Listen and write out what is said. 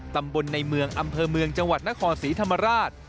ตำบลในเมืองอำเภอเมืองจังหวัดนครศรีธรรมราช